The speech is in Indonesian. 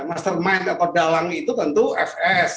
mastermind atau dalang itu tentu fs